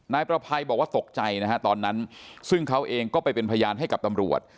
นายประภัยบอกว่าตกใจนะฮะตอนนั้นซึ่งเขาเองก็ไปเป็นพยานให้กับตำรวจ